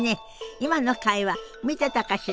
今の会話見てたかしら？